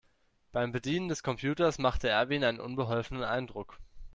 Beim Bedienen des Computers machte Erwin einen unbeholfenen Eindruck.